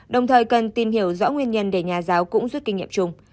đồng thời cần tìm hiểu rõ nguyên nhân để nhà giáo cũng rút kinh nghiệm chung